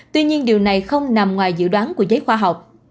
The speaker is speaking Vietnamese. tuy nhiên điều này không nằm ngoài dự đoán của giới khoa học